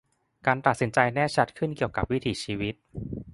การตัดสินใจแน่ชัดขึ้นเกี่ยวกับวิถีชีวิต